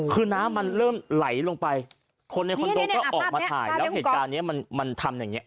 คือน้ำมันเริ่มไหลลงไปคนในคอนโดก็ออกมาถ่ายแล้วเหตุการณ์เนี้ยมันมันทำอย่างเงี้